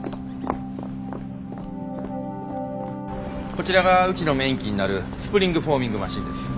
こちらがうちのメイン機になるスプリングフォーミングマシンです。